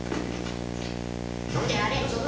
ってあれ？